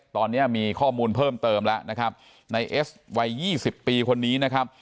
ตอนนี้มีข้อมูลเพิ่มเติมแล้วนะครับในเอสวัยยี่สิบปีคนนี้นะครับ